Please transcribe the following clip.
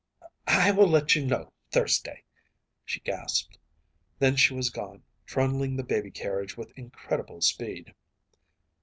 “I will let you know Thursday,‚ÄĚ she gasped. Then she was gone, trundling the baby carriage with incredible speed.